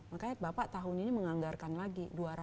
makanya bapak tahun ini menganggarkan lagi